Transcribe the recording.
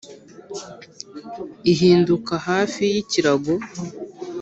ihinduka hafi yikirango.